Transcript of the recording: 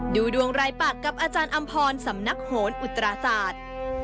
ดูดวงรายปากกับอาจารย์อำพรสำนักโหนอุตราศาสตร์